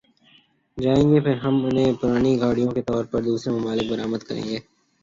جائیں گی پھر ہم انہیں پرانی گاڑیوں کے طور پر دوسرے ممالک برآمد کریں گئے